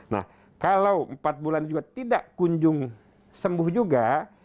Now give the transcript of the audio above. nah kalau empat bulan juga tidak kunjung sembuh juga